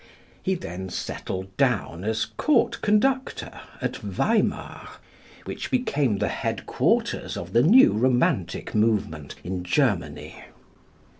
He then settled down as Court Conductor at Weimar, which became the headquarters of the new romantic movement in Germany.